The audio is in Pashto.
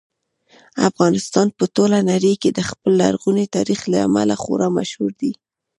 افغانستان په ټوله نړۍ کې د خپل لرغوني تاریخ له امله خورا مشهور دی.